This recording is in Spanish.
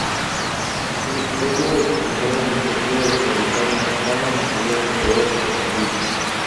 Ello estimuló la iniciativa de fabricar en España material fotográfico sensible.